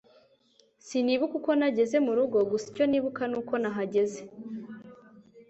Sinibuka uko nageze murugo gusa icyo nibuka nuko nahageze